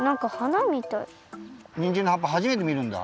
にんじんのはっぱはじめてみるんだ？